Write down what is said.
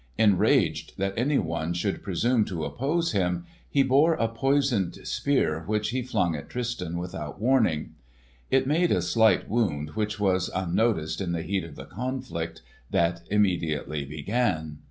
Enraged that any one should presume to oppose him, he bore a poisoned spear which he flung at Tristan without warning. It made a slight wound which was unnoticed in the heat of the conflict that immediately began.